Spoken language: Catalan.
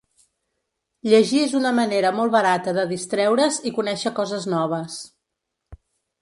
Llegir és una manera molt barata de distreure’s i conèixer coses noves.